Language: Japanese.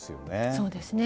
そうですね。